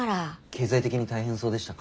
経済的に大変そうでしたか？